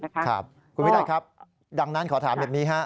คุณวิทยาลัยครับดังนั้นขอถามแบบนี้